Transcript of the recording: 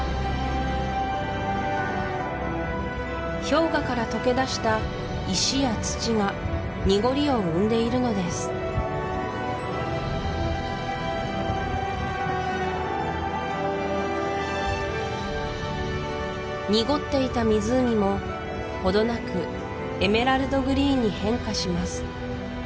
氷河からとけ出した石や土が濁りを生んでいるのです濁っていた湖もほどなくエメラルドグリーンに変化します